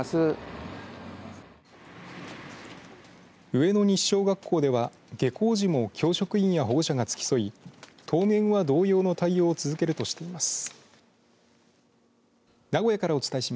上野西小学校では下校時も教職員や保護者が付き添い当面は同様の対応を続けるとしています。